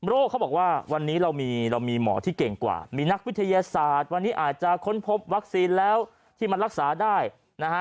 เขาบอกว่าวันนี้เรามีเรามีหมอที่เก่งกว่ามีนักวิทยาศาสตร์วันนี้อาจจะค้นพบวัคซีนแล้วที่มันรักษาได้นะฮะ